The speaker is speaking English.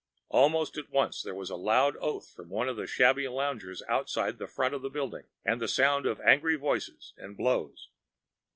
Almost at once there was a loud oath from one of the shabby loungers outside the front of the building, and the sound of angry voices and blows.